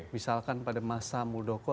misalkan pada masa muldoko